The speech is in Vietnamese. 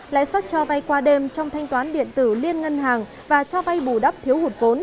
lãi suất cho vay qua đêm trong thanh toán điện tử liên ngân hàng và cho vay bù đắp thiếu hụt vốn